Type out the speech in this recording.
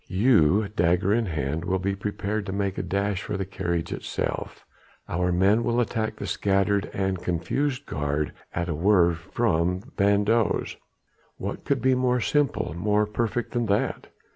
you, dagger in hand, will be prepared to make a dash for the carriage itself ... our men will attack the scattered and confused guard at a word from van Does.... What could be more simple, more perfect than that?